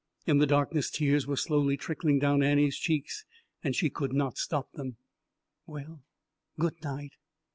In the darkness tears were slowly trickling down Annie's cheeks, and she could not stop them. "Well good night."